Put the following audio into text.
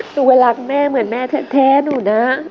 หนูก็รักแม่เหมือนแม่แท้หนูนะ